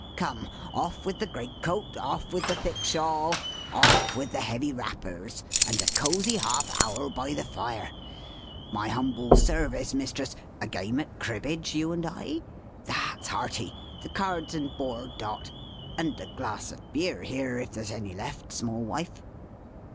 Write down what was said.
Come! off with the great coat, off with the thick shawl, off with the heavy wrappers! and a cosy half hour by the fire! My humble service, Mistress. A game at cribbage, you and I? That's hearty. The cards and board, Dot. And a glass of beer here, if there's any left, small wife!"